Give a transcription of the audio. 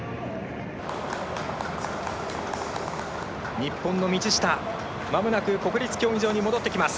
日本の道下間もなく国立競技場に戻ってきます。